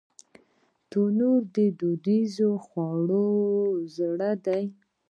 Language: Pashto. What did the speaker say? تنور د دودیزو خوړو زړه دی